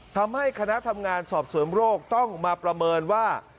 ทำให้คณะทำงานสอบสวนโรคต้องมาประเมินว่า